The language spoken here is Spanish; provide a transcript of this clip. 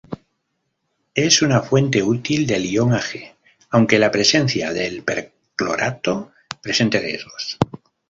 Es una fuente útil del ion Ag, aunque la presencia del perclorato presente riesgos.